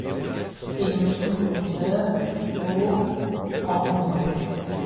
Il mesure en hauteur pour en longueur.